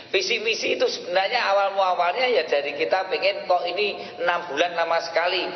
visi misi itu sebenarnya awal muawalnya ya dari kita pengen kok ini enam bulan lama sekali